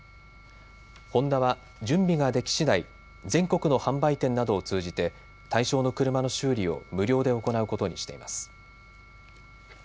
ホンダは準備ができしだい全国の販売店などを通じて対象の車の修理を無料で行うことにしています。